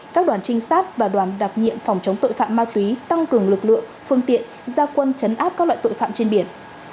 các đoàn trinh sát và đoàn đặc nhiệm phòng chống tội phạm ma túy tăng cường lực lượng phương tiện gia quân chấn áp các loại tội phạm trên biển